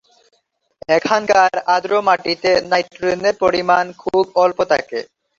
এখানকার আর্দ্র মাটিতে নাইট্রোজেনের পরিমাণ খুব অল্প থাকে।